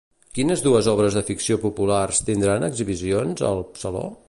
Quines dues obres de ficció populars tindran exhibicions al saló?